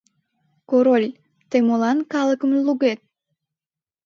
Король, тый молан калыкым лугет?